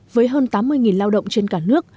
với hơn tám mươi lao động trên cả nước